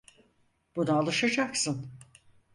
Buna alışacaksın.